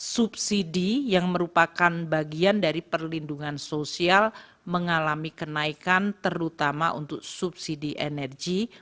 subsidi yang merupakan bagian dari perlindungan sosial mengalami kenaikan terutama untuk subsidi energi